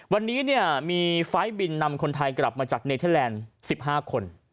วันนี้มีไฟล์บินนำคนไทยกลับมาจากเนเทอร์แลนด์๑๕คน